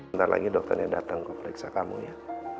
ntar lagi dokternya datang ke pereksa kamu ya